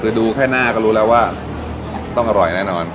คือดูแค่หน้าก็รู้แล้วว่าต้องอร่อยแน่นอน